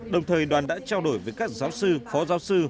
đồng thời đoàn đã trao đổi với các giáo sư phó giáo sư